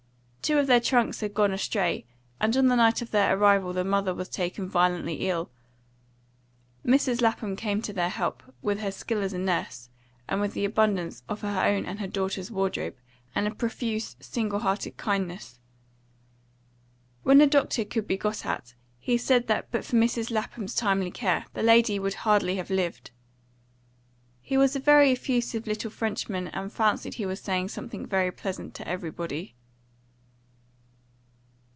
Two of their trunks had gone astray, and on the night of their arrival the mother was taken violently ill. Mrs. Lapham came to their help, with her skill as nurse, and with the abundance of her own and her daughter's wardrobe, and a profuse, single hearted kindness. When a doctor could be got at, he said that but for Mrs. Lapham's timely care, the lady would hardly have lived. He was a very effusive little Frenchman, and fancied he was saying something very pleasant to everybody.